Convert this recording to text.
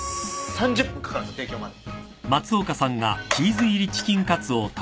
３０分かかるんです提供まで。